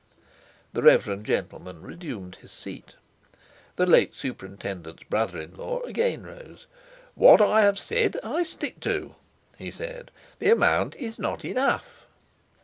The reverend gentleman resumed his seat. The late superintendent's brother in law again rose: "What I have said I stick to," he said; "the amount is not enough!"